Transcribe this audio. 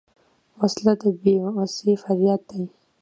وسله د بېوسۍ فریاد دی